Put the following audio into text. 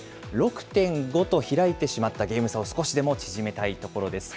６．５と開いてしまったゲーム差を、少しでも縮めたいところです。